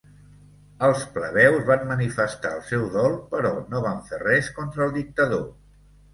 Els plebeus van manifestar el seu dol però no van fer res contra el dictador.